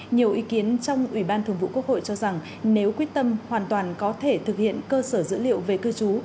nhiều ý kiến trong ủy ban thường vụ quốc hội cho rằng nếu quyết tâm hoàn toàn có thể thực hiện cơ sở dữ liệu về cư trú